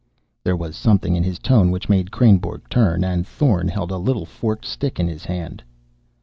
There was something in his tone which made Kreynborg turn. And Thorn held a little forked stick in his hand.